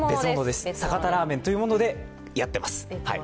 酒田ラーメンというものでやっています